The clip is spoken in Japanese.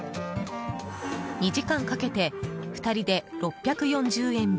２時間かけて、２人で６４０円分。